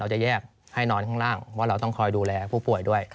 จะแยกให้นอนข้างล่างเพราะเราต้องคอยดูแลผู้ป่วยด้วย